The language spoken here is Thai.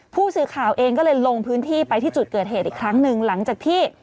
ผู้สื่อข่าวเองก็เลยลงพื้นที่ไปที่จุดเกิดเหตุอีกครั้งหนึ่งหลังจากที่